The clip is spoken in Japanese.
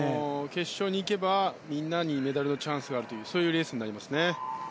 決勝にいけばみんなにメダルのチャンスがあるそういうレースになりますね。